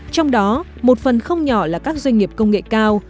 trong đó một phần không nhỏ là các doanh nghiệp công nghệ cao